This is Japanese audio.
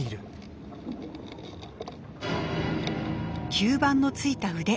吸盤のついた腕。